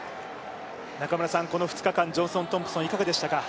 中村さん、この２日間ジョンソン・トンプソンどうでしたか？